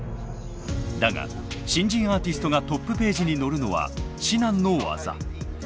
だが新人アーティストがトップページに載るのは至難の業。